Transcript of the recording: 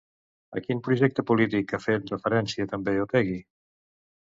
A quin projecte polític ha fet referència també Otegi?